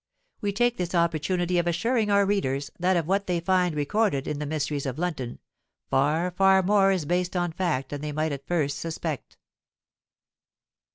We take this opportunity of assuring our readers that of what they find recorded in the "MYSTERIES OF LONDON," far—far more is based on fact than they might at first suspect.